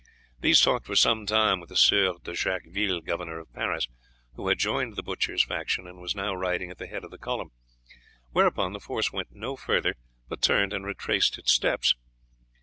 These talked for some time with the Sieur de Jacqueville, Governor of Paris, who had joined the butchers' faction and was now riding at the head of the column, whereupon the force went no farther, but turned and retraced its steps.